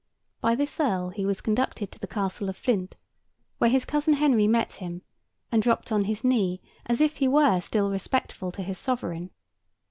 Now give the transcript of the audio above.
By this earl he was conducted to the castle of Flint, where his cousin Henry met him, and dropped on his knee as if he were still respectful to his sovereign.